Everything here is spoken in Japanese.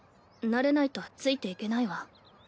慣れないとついていけないわ。